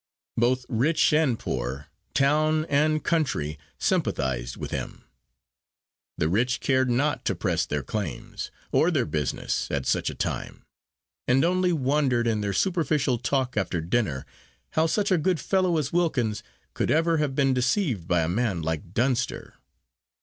Both rich and poor, town and country, sympathised with him. The rich cared not to press their claims, or their business, at such a time; and only wondered, in their superficial talk after dinner, how such a good fellow as Wilkins could ever have been deceived by a man like Dunster.